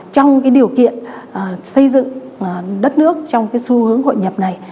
trong cái điều kiện xây dựng đất nước trong cái xu hướng hội nhập này